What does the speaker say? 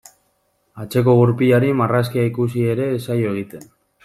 Atzeko gurpilari marrazkia ikusi ere ez zaio egiten.